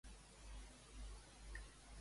Indica'm si ara em toca el Yurelax.